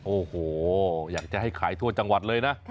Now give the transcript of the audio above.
โอ้โหอยากจะให้ขายทั่วจังหวัดเลยนะ